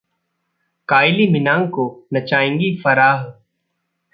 काइली Minogue को नचाएंगी फराह